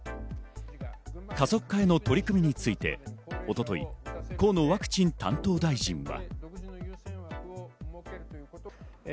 加速化への取り組みについて一昨日、河野ワクチン担当大臣は。